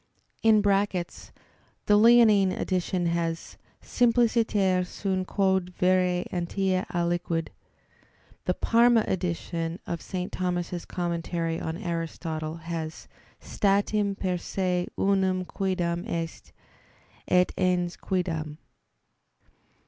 [*The Leonine edition has, "simpliciter sunt quod vere entia aliquid." The Parma edition of St. Thomas's Commentary on Aristotle has, "statim per se unum quiddam est ... et ens quiddam."